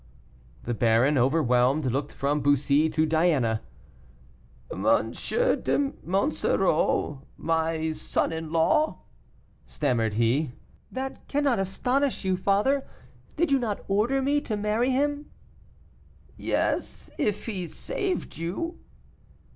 The baron, overwhelmed, looked from Bussy to Diana. "M. de Monsoreau my son in law!" stammered he. "That cannot astonish you, father; did you not order me to marry him?" "Yes, if he saved you."